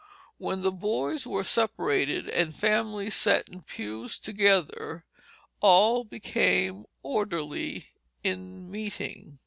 When the boys were separated and families sat in pews together, all became orderly in meeting.